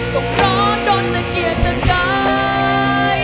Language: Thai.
ต้องรอโดนและเกลียดกลางกาย